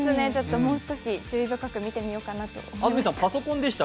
もう少し注意深く見てみようかなと思いました。